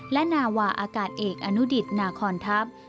และนาวาอากาศเอกอนุดิตนาคอนทัพ